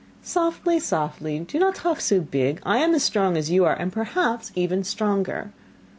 'Softly, softly, do not talk so big. I am as strong as you are, and perhaps even stronger.